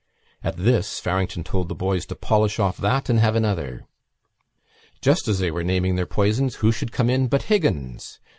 At this Farrington told the boys to polish off that and have another. Just as they were naming their poisons who should come in but Higgins!